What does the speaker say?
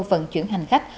vận chuyển hành khách